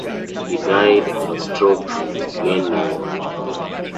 He died of a stroke in Roslyn, New York.